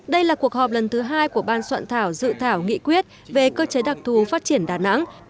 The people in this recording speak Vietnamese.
đây là cuộc họp lần thứ hai của ban soạn thảo dự thảo nghị quyết về cơ chế đặc thù phát triển đà nẵng